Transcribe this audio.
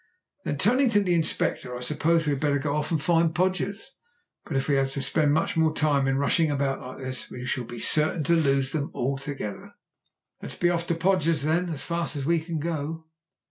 Then turning to the Inspector: "I suppose we had better go off and find Podgers. But if we have to spend much more time in rushing about like this we shall be certain to lose them altogether." "Let us be off to Podgers', then, as fast as we can go."